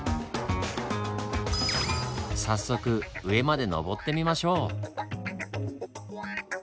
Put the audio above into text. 早速上まで登ってみましょう！